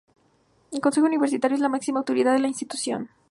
El Consejo Universitario es la máxima autoridad en la institución.